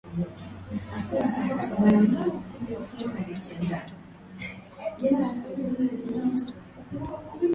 na historia inayoshangaza duniani kote watalii kutoka duniani kote wanakuja na kujionea historia hiyo